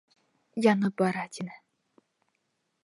— Янып бара, — тине.